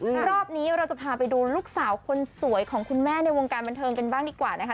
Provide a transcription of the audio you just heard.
รอบนี้เราจะพาไปดูลูกสาวคนสวยของคุณแม่ในวงการบันเทิงกันบ้างดีกว่านะคะ